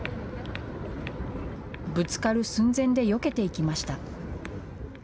ぶつかる寸前でよけていきました。